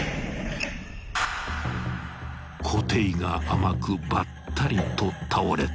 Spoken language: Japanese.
［固定が甘くばったりと倒れた］